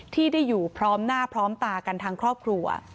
ที่ได้อยู่พร้อมหน้าพร้อมตากันทางครอบครัว